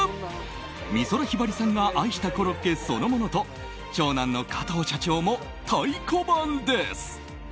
美空ひばりさんが愛したコロッケそのものと長男の加藤社長も太鼓判です。